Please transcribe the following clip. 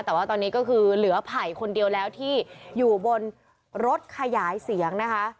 แต่ว่าตอนนี้ก็คือเหลือไผ่คนเดียวแล้วที่อยู่บนรถขยายเสียงนะคะ